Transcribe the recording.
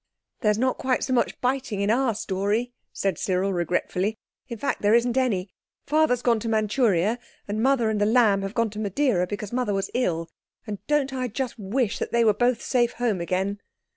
"There's not quite so much biting in our story," said Cyril regretfully; "in fact, there isn't any. Father's gone to Manchuria, and Mother and The Lamb have gone to Madeira because Mother was ill, and don't I just wish that they were both safe home again."